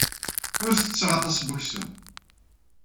Ur ttetteɣ aṭas n weksum.